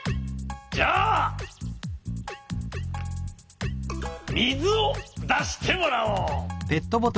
じゃあみずをだしてもらおう。